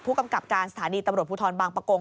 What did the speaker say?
ผู้กำกับการสถานีตำรวจภูทรบางประกง